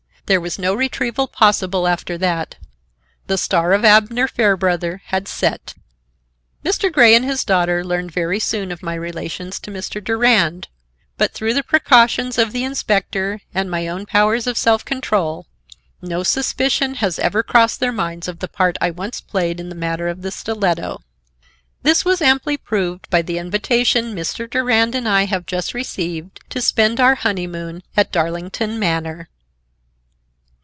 There was no retrieval possible after that. The star of Abner Fairbrother had set. Mr. Grey and his daughter learned very soon of my relations to Mr. Durand, but through the precautions of the inspector and my own powers of self control, no suspicion has ever crossed their minds of the part I once played in the matter of the stiletto. This was amply proved by the invitation Mr. Durand and I have just received to spend our honeymoon at Darlington Manor.